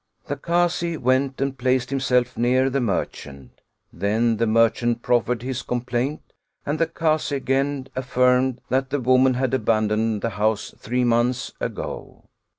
The Kazi went and placed himself near the merchant; then the merchant proffered his complaint, and the Kazi again affirmed that the woman had abandoned the house three months ago.